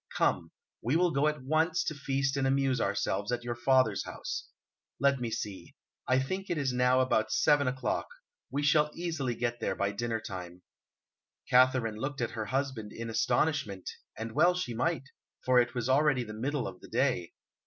Come, we will go at once to feast and amuse ourselves at your father's house. Let me see: I think it is now about seven o'clock; we shall easily get there by dinner time." [Illustration: "What's this? A sleeve?"] Katharine looked at her husband in astonishment; and well she might, for it was already the middle of the day.